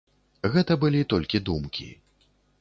Гэта былі толькі думкі.